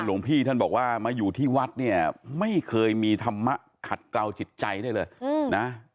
หลวงพี่ท่านบอกว่ามาอยู่ที่วัดเนี่ยไม่เคยมีธรรมะขัดเกลาจิตใจได้เลยนะ